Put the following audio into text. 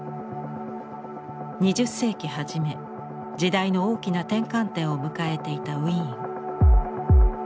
２０世紀初め時代の大きな転換点を迎えていたウィーン。